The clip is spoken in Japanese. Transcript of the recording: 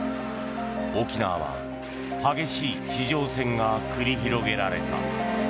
沖縄は激しい地上戦が繰り広げられた。